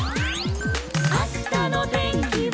「あしたのてんきは」